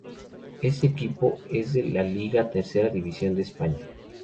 Este equipo es del la liga Tercera División de España.